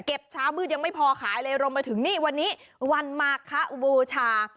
เก็บช้ามืดยังไม่พอขายเลยลงมาถึงวันนี้วันมาคะโบชา